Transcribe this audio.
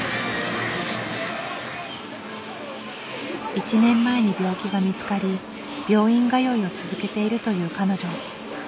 １年前に病気が見つかり病院通いを続けているという彼女。